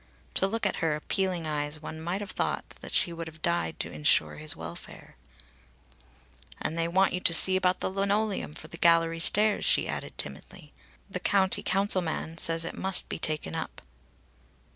To look at her appealing eyes one might have thought that she would have died to insure his welfare. "And they want to see you about the linoleum for the gallery stairs," she added timidly. "The County Council man says it must be taken up."